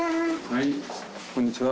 はいこんにちは。